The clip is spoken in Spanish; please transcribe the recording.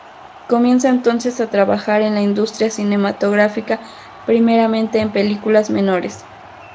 Comienza entonces a trabajar en la industria cinematográfica, primeramente en películas menores.